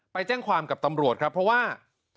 ไปแจ้งความกับตำรวจครับเพราะว่า